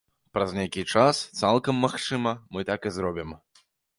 Праз нейкі час, цалкам магчыма, мы так і зробім.